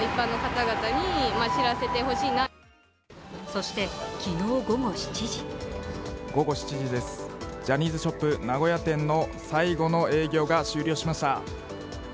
そして、昨日午後７時午後７時です、ジャニーズショップ名古屋店の最後の営業が終了しました。